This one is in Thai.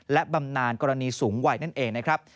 และบำนานกรณีสูงวัยนั่นเองนะครับ